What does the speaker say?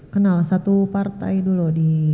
kenal satu partai dulu